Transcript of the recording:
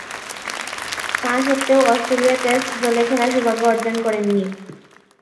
তা স্বত্ত্বেও Australia test দলে খেলার সৌভাগ্য অর্জন করেননি।